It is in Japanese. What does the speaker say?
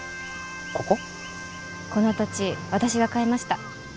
この土地私が買いました。